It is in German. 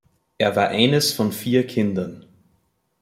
Er war eines von vier Kindern.